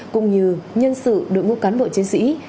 cũng như nhân sự đối mục cán bộ chiến sĩ